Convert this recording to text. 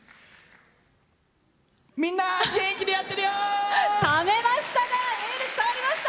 みんな、元気にやってるよ！